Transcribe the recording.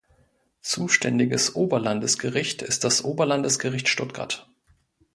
Zuständiges Oberlandesgericht ist das Oberlandesgericht Stuttgart.